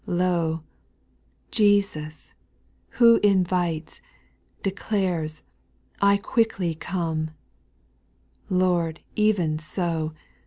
4. Lo ! Jesus, who invites, Declares, " I quickly come ;" Lord, even so